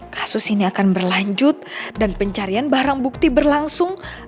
kasus ini akan berlanjut dan pencarian barang bukti berlangsung